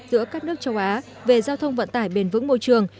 giữa các nước châu á về giao thông vận tải bền vững môi trường